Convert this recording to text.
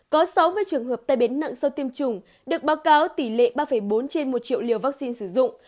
có sáu mươi trường hợp tai biến nặng sau tiêm chủng được báo cáo tỷ lệ ba bốn trên một triệu liều vaccine sử dụng